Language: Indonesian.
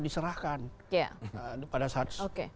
diserahkan pada saat